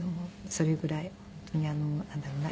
それぐらい本当になんだろうな。